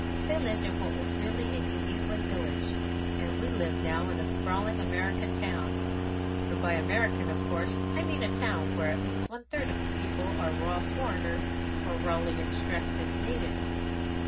They lived in what was really a New England village, and we live now in a sprawling American town; and by American of course I mean a town where at least one third of the people are raw foreigners or rawly extracted natives.